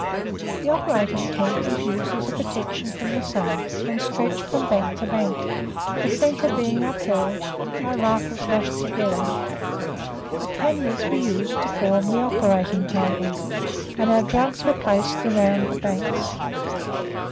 The operating tent was used as a protection from the sun and stretched from bank to bank, the centre being upheld by rifles lashed together; the panniers were used to form the operating table, and our drugs were placed round the banks.